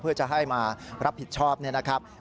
เพื่อจะให้มารับผิดชอบเนี่ยนะครับ